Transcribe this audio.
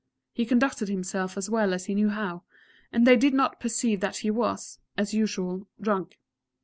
He conducted himself as well as he knew how, and they did not perceive that he was, as usual drunk.